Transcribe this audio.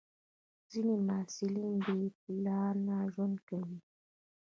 ځینې محصلین بې پلانه ژوند کوي.